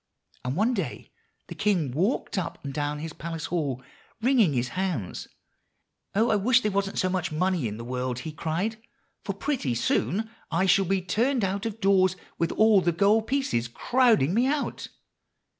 And one day the king walked up and down his palace hall, wringing his hands. 'Oh! I wish there wasn't so much money in the world,' he cried; 'for pretty soon I shall be turned out of doors, with all the gold pieces crowding me out.